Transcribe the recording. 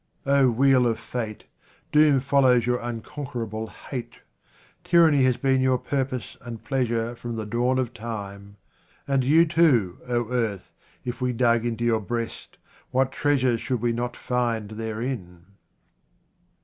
O WHEEL of fate, doom follows your uncon querable hate. Tyranny has been your pur pose and pleasure from the dawn of time. And you too, O earth, if we dug into your breast, what treasures should we not find therein